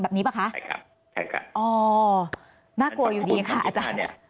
แบบนี้ป่ะคะอ๋อน่ากลัวอยู่ดีค่ะอาจารย์